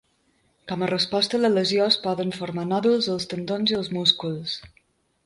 Com a resposta a la lesió es poden formar nòduls als tendons i als músculs.